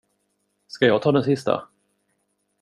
Ska jag ta den sista?